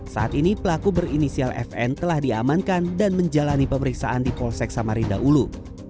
saat ini pelaku berinisial fn telah diamankan dan menjalani pemeriksaan di polsek samarinda ulu